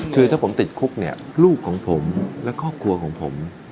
คือถ้าผมติดคุกเนี่ยลูกของผมและครอบครัวของผม